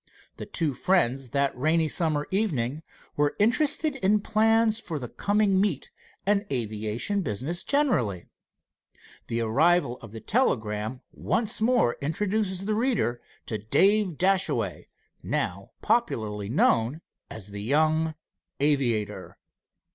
The two friends that rainy summer evening were interested in plans for the coming meet and aviation business generally. The arrival of the telegram once more introduces the reader to Dave Dashaway, now popularly known as the young aviator.